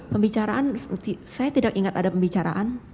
pembicaraan saya tidak ingat ada pembicaraan